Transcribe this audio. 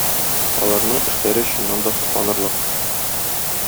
Аларның эшләре чыннан да сокланырлык.